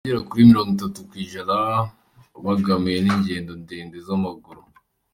Abagera kuri mirongo itatu kwi ijana babangamiwe n’ingendo ndende z’amaguru